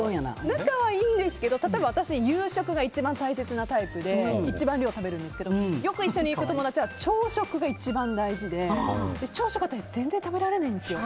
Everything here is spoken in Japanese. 仲は良いんですけど私は夕食が一番大切なタイプで一番量食べるんですがよく一緒に行く友達は朝食が一番大事で、朝食は私全然食べられないんですよ。